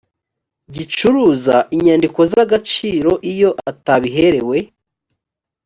gicuruza inyandiko z agaciro iyo atabiherewe